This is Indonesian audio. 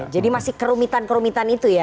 jadi masih kerumitan kerumitan itu ya